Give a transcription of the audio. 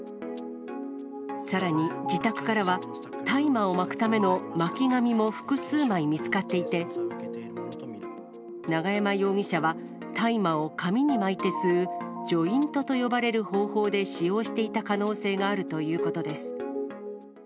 さらに自宅からは、大麻を巻くための巻紙も複数枚見つかっていて、永山容疑者は、大麻を紙に巻いて吸う、ジョイントと呼ばれる方法で使用していた可能性があるということです。